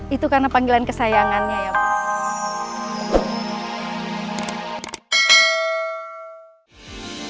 itu karena panggilan kesayangannya ya pak